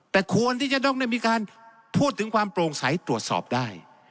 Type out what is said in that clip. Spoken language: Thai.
แต่ควรที่จะต้องได้มีการพูดถึงความโปร่งใสตรวจสอบได้